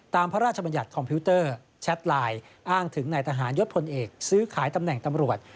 พระราชบัญญัติคอมพิวเตอร์แชทไลน์อ้างถึงนายทหารยศพลเอกซื้อขายตำแหน่งตำรวจ